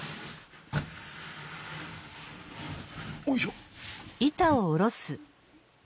おいしょ。